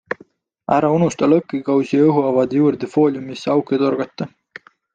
Ära unusta lõkkekausi õhuavade juurde fooliumisse auke torgata!